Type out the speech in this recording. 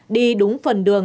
đi đúng phần đường